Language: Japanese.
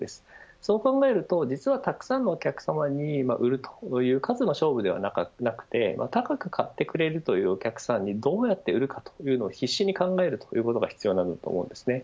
そう考えると実はたくさんのお客様に売るという数の勝負ではなく高く買ってくれるというお客さんにどうやって売るかというのを必死に考えるということが必要だと思います。